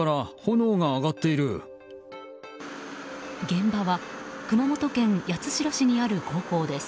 現場は熊本県八代市にある高校です。